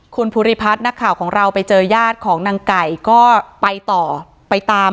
คุณภูริพัฒน์นักข่าวของเราไปเจอญาติของนางไก่ก็ไปต่อไปตาม